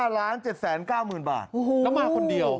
๕๗๙๐๐บาทแล้วมาคนเดียว